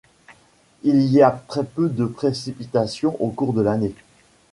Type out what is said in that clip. Il y a très peu de précipitations au cours de l'année.